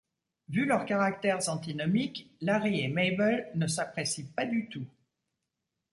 Vu leurs caractères antinomiques, Larry et Mabel ne s'apprécient pas du tout…